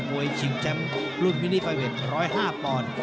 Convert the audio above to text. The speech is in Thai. มวยชิงแจมป์รุ่นมินี่ไฟเวท๑๐๕ปอนด์